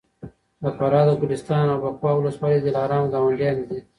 د فراه د ګلستان او بکواه ولسوالۍ د دلارام ګاونډیانې دي